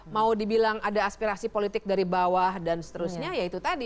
mau dibilang ada aspirasi politik dari bawah dan seterusnya ya itu tadi